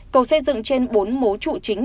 cầu xây dựng trên bốn mố trụ chính